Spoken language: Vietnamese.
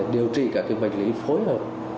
điều trị cả cái bệnh lý phối hợp